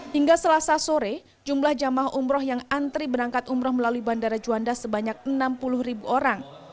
hingga selasa sore jumlah jamaah umroh yang antri berangkat umroh melalui bandara juanda sebanyak enam puluh ribu orang